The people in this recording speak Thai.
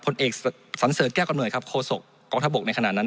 ผลเอกสันเสริฟแก้กอดเหนื่อยครับโคศกกองทะบกในขณะนั้น